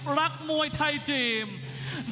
จากข้ายสิทธ์ทองปอนด์